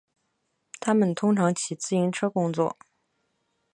他们通常骑自行车工作。